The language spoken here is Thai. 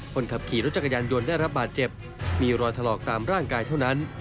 คนขับขี่รถจักรยานยนต์ได้รับบาดเจ็บมีรอยถลอกตามร่างกายเท่านั้น